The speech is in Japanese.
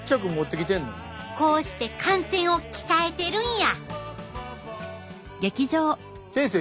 こうして汗腺を鍛えてるんや！